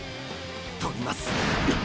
とります。